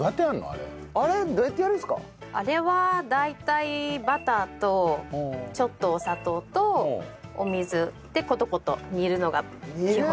あれは大体バターとちょっとお砂糖とお水でコトコト煮るのが基本。